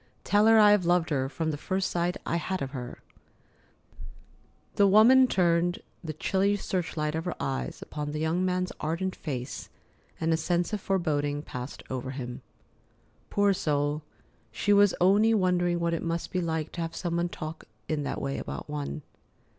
"Tell her I have loved her from the very first sight I had of her——" The woman turned the chilly search light of her eyes upon the young man's ardent face, and a sense of foreboding passed over him. Poor soul, she was only wondering what it must be like to have some one talk in that way about one.